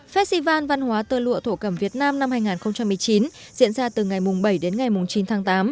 festival văn hóa tơ lụa thổ cẩm việt nam năm hai nghìn một mươi chín diễn ra từ ngày bảy đến ngày chín tháng tám